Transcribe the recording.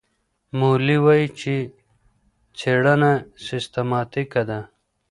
مولي وايي چي څېړنه سیستماتیکه ده.